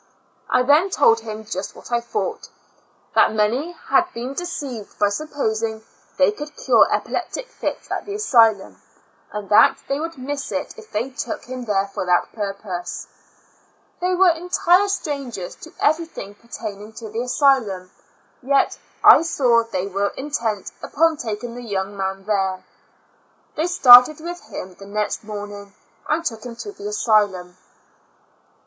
I then told him just what I thought, " that many had been deceived by supposing they could cure epileptic fits at the asylum, and that they would miss it if they took him there for that purpose." They were entire strangers to everything pertaining to the asylum, yet I saw they were intent upon taking the young man there. They started with him the next morning, and took him to the asylum.